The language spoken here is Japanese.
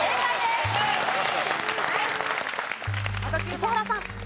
石原さん。